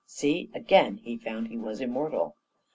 "See again! he found he was immortal.